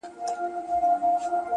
o حروف د ساز له سوره ووتل سرکښه سوله؛